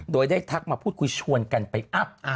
โดยได้ทักมาพูดคุยชวนกันไปอัพ